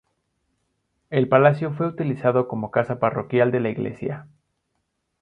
El palacio fue utilizado como casa parroquial de la iglesia.